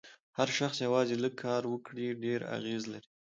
هر شخص یوازې لږ کار وکړي ډېر اغېز لري.